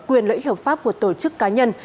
quyền lợi ích hợp pháp của tổ chức cá nhân